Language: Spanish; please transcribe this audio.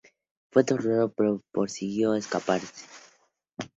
Fue torturado, pero consiguió escaparse.